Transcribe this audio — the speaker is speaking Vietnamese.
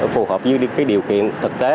phù hợp với điều kiện thực tế